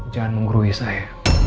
jangan menggurui saya